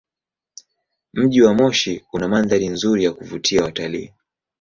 Mji wa Moshi una mandhari nzuri ya kuvutia watalii.